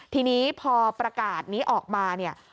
ทีนี้พอประกาศนี้ออกมาเนี่ย